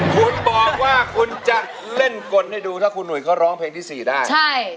คุณบอกว่าคุณจะเล่นกลให้ดูถ้าคุณหุยเขาร้องเพลงที่๔ได้